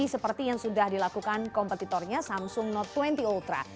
seperti yang sudah dilakukan kompetitornya samsung not dua puluh ultra